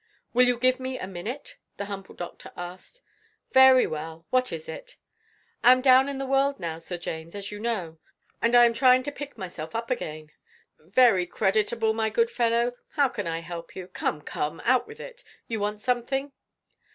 "Will you give me a minute?" the humble doctor asked. "Very well. What is it?" "I am down in the world now, Sir James, as you know and I am trying to pick myself up again." "Very creditable, my good fellow. How can I help you? Come, come out with it. You want something?"